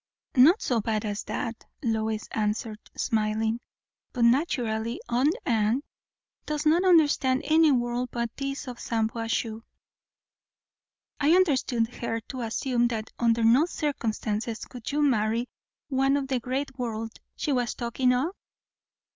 "Not so bad as that," Lois answered, smiling; "but naturally aunt Anne does not understand any world but this of Shampuashuh." "I understood her to assume that under no circumstances could you marry one of the great world she was talking of?"